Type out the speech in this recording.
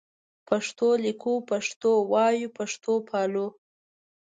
پښتو لیکو پښتو وایو پښتو پالو